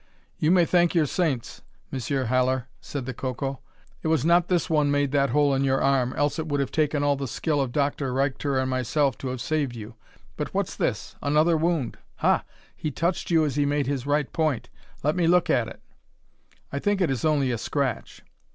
"You may thank your saints, Monsieur Haller," said the Coco, "it was not this one made that hole in your arm, else it would have taken all the skill of Doctor Reichter and myself to have saved you. But what's this? Another wound! Ha! He touched you as he made his right point. Let me look at it." "I think it is only a scratch."